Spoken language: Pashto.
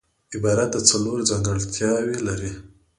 عبارت څلور ځانګړتیاوي لري.